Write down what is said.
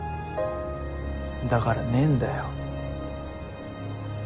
だからねぇんだよ。